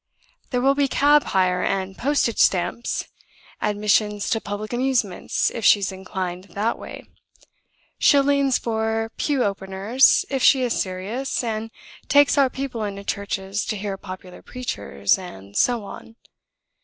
There will be cab hire, and postage stamps admissions to public amusements, if she is inclined that way shillings for pew openers, if she is serious, and takes our people into churches to hear popular preachers, and so on.